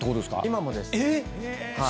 今もです。